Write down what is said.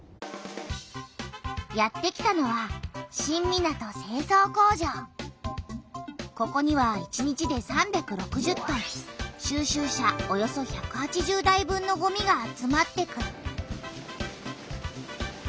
やってきたのはここには１日で３６０トン収集車およそ１８０台分のごみが集まってくる。